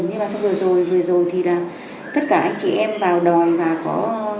nhưng mà trong vừa rồi vừa rồi thì là tất cả anh chị em vào đòi và có